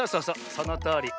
そのとおり。